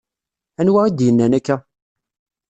Anwa i d-yennan akka?